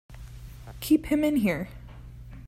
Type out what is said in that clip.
Keep him in here!